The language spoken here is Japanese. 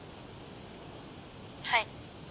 はい。